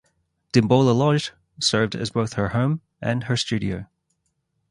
Dimbola Lodge served as both her home and her studio.